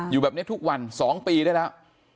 อยู่แบบนี้ทุกวัน๒ปีได้แล้ว